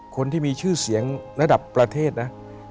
คนที่มีชื่อเสียงระดับประเทศนะ